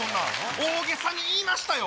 大げさに言いましたよ。